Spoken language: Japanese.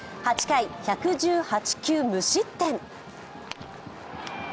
８回１１８球無失点。